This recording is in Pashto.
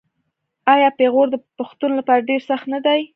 آیا پېغور د پښتون لپاره ډیر سخت نه دی؟